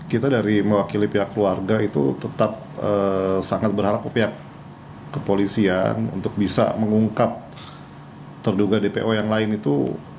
kita dari mewakili pihak keluarga itu tetap sangat berharap pihak kepolisian untuk bisa mengungkap terduga dpo yang lain itu